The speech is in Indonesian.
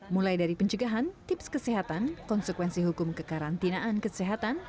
mulai dari pencegahan tips kesehatan konsekuensi hukum kekarantinaan kesehatan